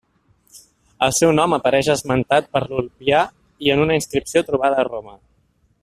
El seu nom apareix esmentat per Ulpià i en una inscripció trobada a Roma.